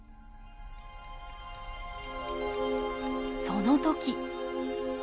その時。